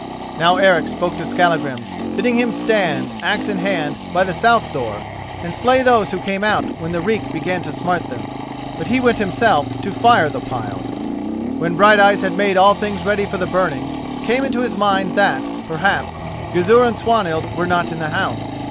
Now Eric spoke to Skallagrim, bidding him stand, axe in hand, by the south door, and slay those who came out when the reek began to smart them: but he went himself to fire the pile. When Brighteyes had made all things ready for the burning, it came into his mind that, perhaps, Gizur and Swanhild were not in the house.